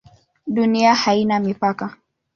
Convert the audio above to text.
Dunia haina mipaka?